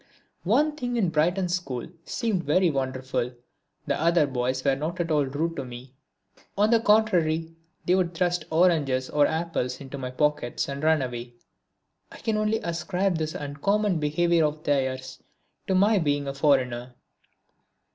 One thing in the Brighton school seemed very wonderful: the other boys were not at all rude to me. On the contrary they would often thrust oranges and apples into my pockets and run away. I can only ascribe this uncommon behaviour of theirs to my being a foreigner.